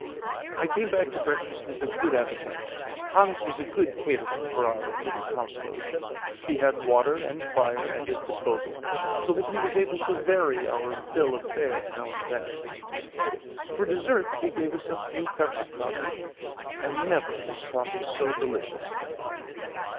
I came back to breakfast with a good appetite. Hans was a good caterer for our little household; he had water and fire at his disposal, so that he was able to vary our bill of fare now and then. For dessert he gave us a few cups of coffee, and never was coffee so delicious.